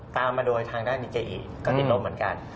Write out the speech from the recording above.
ตามมาโดยทางด้านดีเจเอกก็ติดลบเหมือนกัน